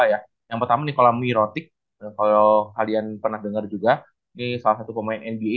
ya yang pertama nikola mirotic kalau kalian pernah dengar juga ini salah satu pemain nba